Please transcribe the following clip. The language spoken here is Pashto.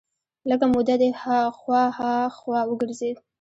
لږه موده دې خوا ها خوا وګرځېد.